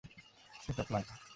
Set up লাগা।